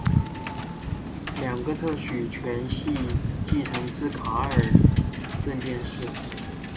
两个特许权系继承自卡尔顿电视。